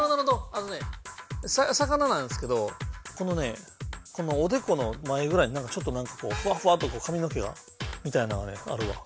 あのね魚なんですけどこのねこのおでこの前ぐらいにちょっとなんかこうふわふわっとかみの毛みたいなのがあるわ。